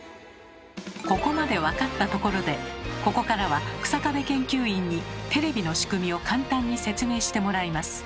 ここまで分かったところでここからは日下部研究員にテレビの仕組みを簡単に説明してもらいます。